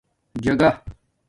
جاگہ